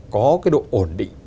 có cái độ ổn định